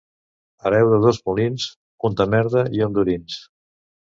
Hereu de dos molins: un de merda i un d'orins.